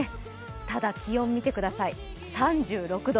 ただ気温、見てください、３６度。